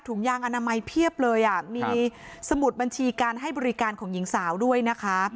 ยางอนามัยเพียบเลยอ่ะมีสมุดบัญชีการให้บริการของหญิงสาวด้วยนะคะ